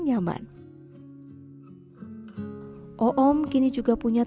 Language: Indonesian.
hanya ada dist trans gratuit